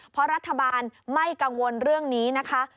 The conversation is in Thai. เพราะรัฐบาลไม่กังวลเรื่องนี้นะคะ